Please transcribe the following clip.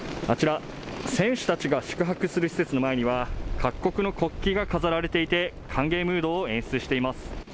あちら、選手たちが宿泊する施設の前には、各国の国旗が飾られていて、歓迎ムードを演出しています。